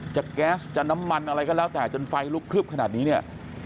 จากแก๊สจากน้ำมันอะไรก็แล้วแต่จนไฟลุกขึ้นขนาดนี้